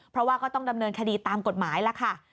เพราะว่าก็ต้องดำเนินคดีตามกฎหมายล่ะค่ะ